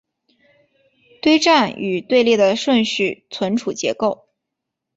堆栈与队列的顺序存储结构